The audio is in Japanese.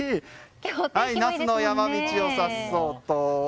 那須の山道をさっそうと。